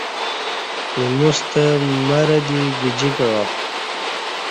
ایموستہ مرہ دی گجی کعا۔